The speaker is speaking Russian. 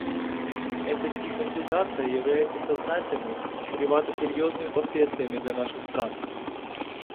Эта стигматизация является сознательной и чревата серьезными последствиями для наших стран.